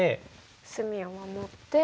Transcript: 隅を守って。